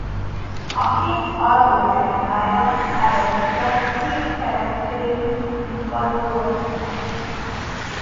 A hét alvó legendája eredetileg hét keresztény hitvallóról szól.